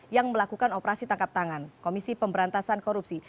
yang melakukan operasi tangkap tangan komisi pemberantasan korupsi